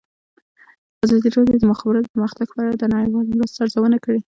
ازادي راډیو د د مخابراتو پرمختګ په اړه د نړیوالو مرستو ارزونه کړې.